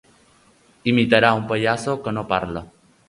Imitarà un pallasso que no parla.